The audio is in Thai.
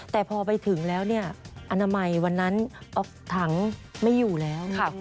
แต่พอไปถึงแล้วเนี่ยอนามัยวันนั้นออกถังไม่อยู่แล้ว